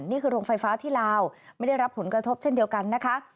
นี่คือโรงไฟฟ้าที่ลาวไม่ได้รับผลกระทบเช่นเดียวกันนะคะ